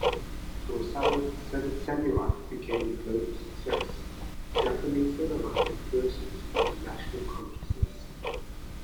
Kurosawa's "Seven Samurai" became a global success; Japanese cinema had burst into international consciousness.